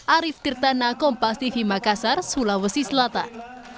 arief tirtanakom pasti vimakasar sulawesi selatan